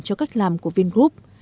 cho cách làm của vingroup